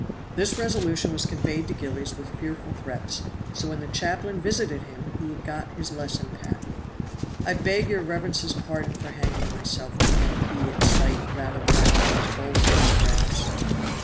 This resolution was conveyed to Gillies with fearful threats, so when the chaplain visited him he had got his lesson pat. "I beg your reverence's pardon for hanging myself," began he at sight, rather loud and as bold as brass.